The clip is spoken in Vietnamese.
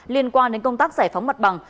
liên quan đến công tác giải phóng mặt bằng